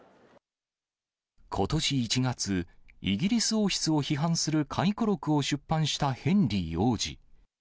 ことし１月、イギリス王室を批判する回顧録を出版したヘンリー王子。